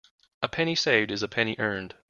A penny saved is a penny earned.